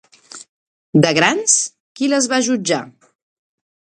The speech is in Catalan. De grans, qui les va jutjar?